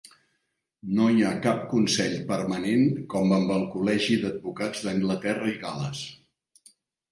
No hi ha cap consell permanent com amb el Col·legi d'Advocats d'Anglaterra i Gal·les.